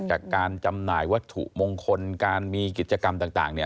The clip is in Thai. จำหน่ายวัตถุมงคลการมีกิจกรรมต่าง